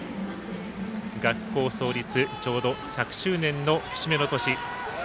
学校創立ちょうど１００周年の節目の年。